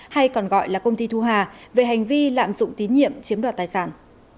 hay còn gọi là công ty thu hà về hành vi lạm dụng tín nhiệm chiếm đoạt tài sản